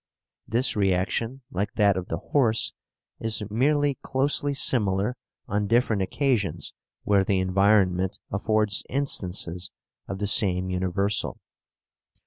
This reaction, like that of the horse, is merely closely similar on different occasions where the environment affords instances of the same universal.